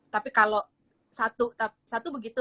tapi kalau satu begitu